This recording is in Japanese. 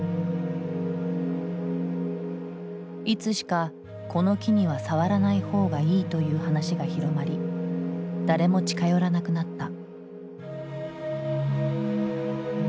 いつしかこの木には触らないほうがいいという話が広まり誰も近寄らなくなった。